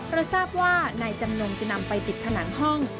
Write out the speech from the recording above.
เราทราบว่านายจำนงจะนำไปติดผนังห้อง